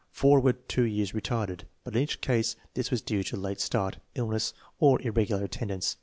Four were two years retarded, but in each case this was due to late start, illness, or irregular attendance.